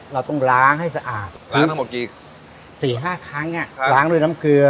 เราต้องล้างให้สะอาดล้างทั้งหมดกี่๕ครั้งล้างด้วยน้ำเกลือ